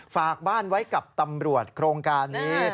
ฝากบ้านไว้กับตำรวจโครงการนี้